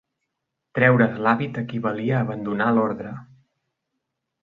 Treure's l'hàbit equivalia a abandonar l'ordre.